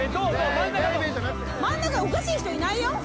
真ん中の真ん中おかしい人いないよ